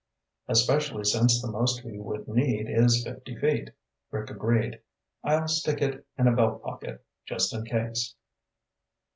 "Especially since the most we would need is fifty feet," Rick agreed. "I'll stick it in a belt pocket, just in case."